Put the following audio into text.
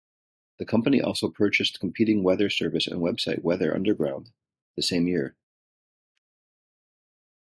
The company also purchased competing weather service and website Weather Underground the same year.